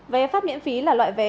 vé phát miễn phí là loại vé